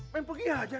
pengen pergi aja